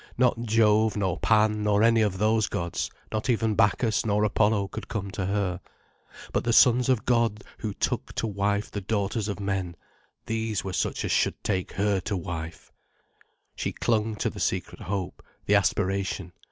Not Jove nor Pan nor any of those gods, not even Bacchus nor Apollo, could come to her. But the Sons of God who took to wife the daughters of men, these were such as should take her to wife. She clung to the secret hope, the aspiration.